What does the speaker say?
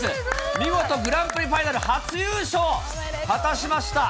見事、グランプリファイナル初優勝を果たしました。